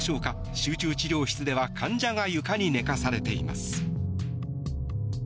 集中治療室では患者が床に寝かされています。